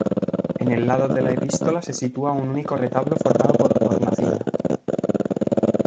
En el lado de la Epístola se sitúa un único retablo formado por hornacina.